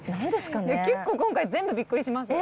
結構、今回、全部びっくりしますよ。